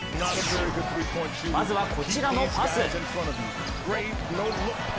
まずは、こちらのパス。